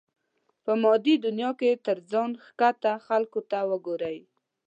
په مادي دنيا کې تر ځان ښکته خلکو ته وګورئ.